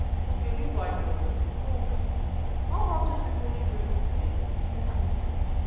"To kill you, white lords oh! how hot is this holy drink, yet pleasant.